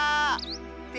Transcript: って